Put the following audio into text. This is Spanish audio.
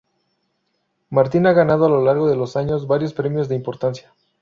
Martín ha ganado a lo largo de los años varios premios de importancia.